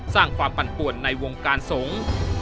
สร้างความปั่นป่วนในวงการสงฆ์